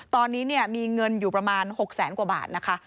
ตอนนี้มีเงินอยู่ประมาณ๖แสนกว่าบาทนะคะ